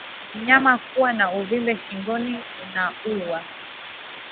Mnyama kuwa na uvimbe shingoni unaouma